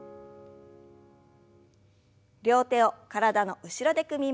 両手を体の後ろで組みましょう。